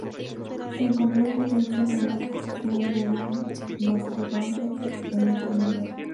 Se encontró evidencia de la cocción de un mastodonte en este nivel.